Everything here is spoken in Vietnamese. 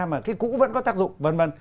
mà cái cũ vẫn có tác dụng v v